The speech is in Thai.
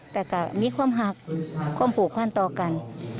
แต่จะมีความหักความผูกพันต่อกัน